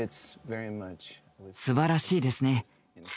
すばらしいですね。